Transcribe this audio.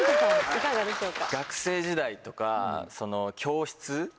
いかがでしょうか？